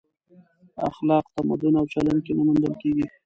اخلاق تمدن او چلن کې نه موندل کېږي.